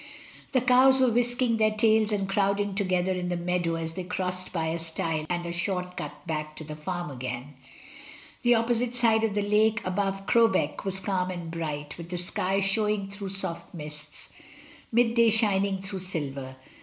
The cows were whisking their tails and crowding together in the meadow as they crossed by a stile and a short cut back to the farm again. The op posite side of the lake above Crowbeck was calm and bright, with the sky showing through soft mists, midday shining through silver.